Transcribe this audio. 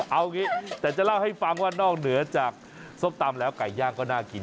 เอางี้แต่จะเล่าให้ฟังว่านอกเหนือจากส้มตำแล้วไก่ย่างก็น่ากิน